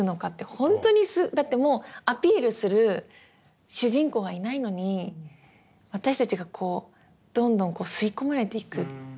ほんとにだってもうアピールする主人公はいないのに私たちがこうどんどん吸い込まれていくっていうのって。